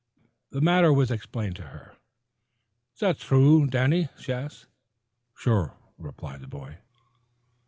The matter was explained to her. "Is that thrue, Danny?" she asked. "Sure," replied the boy.